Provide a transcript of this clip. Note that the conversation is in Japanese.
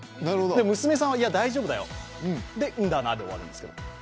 娘さんは、いや、大丈夫だよ、でんだなで終わるんですけど。